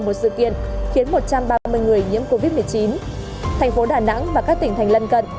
một sự kiện khiến một trăm ba mươi người nhiễm covid một mươi chín thành phố đà nẵng và các tỉnh thành lân cận